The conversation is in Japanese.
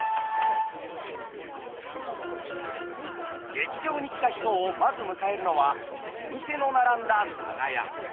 劇場に来た人をまず迎えるのはお店の並んだ長屋。